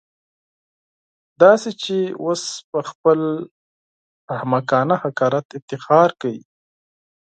داسې چې اوس پهخپل احمقانه حقارت افتخار کوي.